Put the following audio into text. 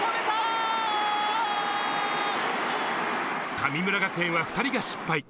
神村学園は２人が失敗。